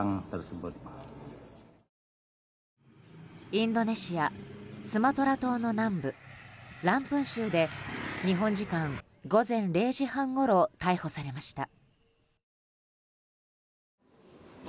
インドネシア・スマトラ島の南部ランプン州で日本時間午前０時半ごろ逮捕されました。